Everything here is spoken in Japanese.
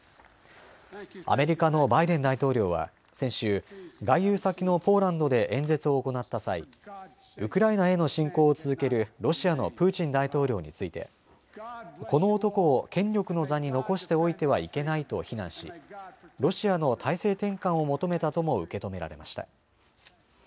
アメリカのバイデン大統領は先週、外遊先のポーランドで演説を行った際、ウクライナへの侵攻を続けるロシアのプーチン大統領についてこの男を権力の座に残しておいてはいけないと非難しロシアの体制転換を求めたとも受け止められました。